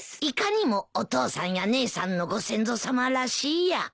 いかにもお父さんや姉さんのご先祖さまらしいや。